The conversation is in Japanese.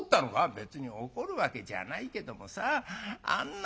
「別に怒るわけじゃないけどもさあんな